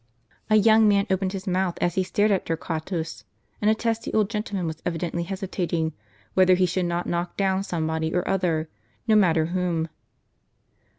A young man opened his mouth as he stared at Torquatus ; and a testy old gentleman was evidently hesitating, whether he should not knock down somebody or other, no matter whom.